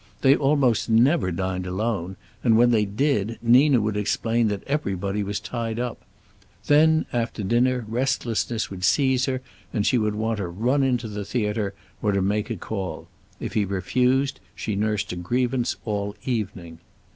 They almost never dined alone, and when they did Nina would explain that everybody was tied up. Then, after dinner, restlessness would seize her, and she would want to run in to the theater, or to make a call. If he refused, she nursed a grievance all evening.